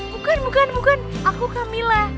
bukan bukan bukan aku camilla